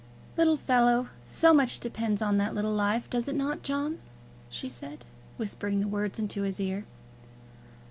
"Little fellow! So much depends on that little life, does it not, John?" she said, whispering the words into his ear.